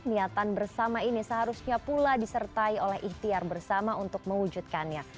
niatan bersama ini seharusnya pula disertai oleh ikhtiar bersama untuk mewujudkannya